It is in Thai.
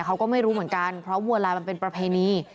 เขาก็ไม่รู้เหมือนกันเพราะวัวลายมันเป็นประเพณี